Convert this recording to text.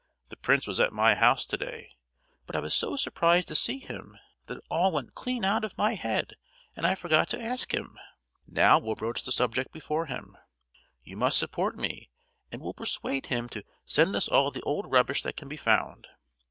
The prince was at my house to day, but I was so surprised to see him that it all went clean out of my head and I forgot to ask him. Now we'll broach the subject before him. You must support me and we'll persuade him to send us all the old rubbish that can be found.